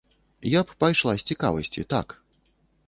Я б пайшла з цікавасці, так.